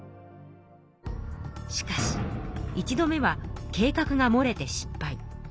しかし１度目は計画がもれて失敗。